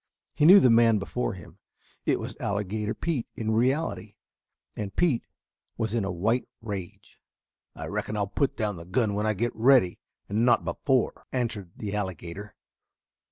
He knew the man before him. It was Alligator Pete in reality, and Pete was in a white rage. "I reckon I'll put down the gun when I get ready and not before," answered the "Alligator."